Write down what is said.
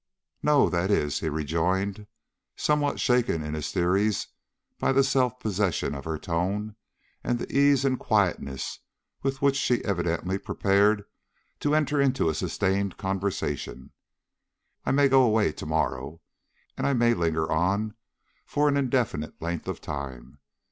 "No. That is," he rejoined, somewhat shaken in his theories by the self possession of her tone and the ease and quietness with which she evidently prepared to enter into a sustained conversation, "I may go away to morrow, and I may linger on for an indefinite length of time.